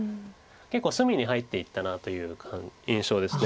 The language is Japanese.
結構隅に入っていったなという印象です。